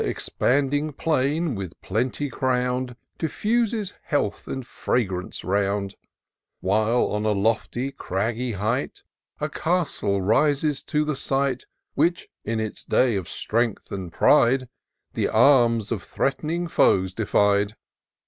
199 Th* expanding plain, with plenty crown'd, Diffuses health and fragrance round ; While, on a lofty, craggy height, A castle rises to the sight, Which, in its day of strength and pride. The arms of threat'ning foes defied.